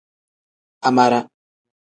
Amara.